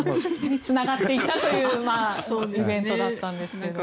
つながっていったというイベントだったんですけど。